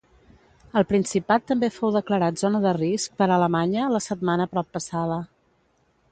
El Principat també fou declarat zona de risc per Alemanya la setmana proppassada.